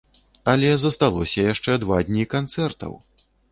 Але засталося яшчэ два дні канцэртаў!